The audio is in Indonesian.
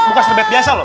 bukan sebet biasa loh